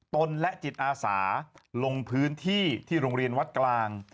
นและจิตอาสาลงพื้นที่ที่โรงเรียนวัดกลาง